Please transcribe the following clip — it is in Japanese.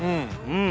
うん。